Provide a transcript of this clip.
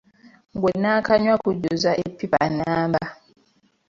Gwenaakanywa gujjuza eppipa namba.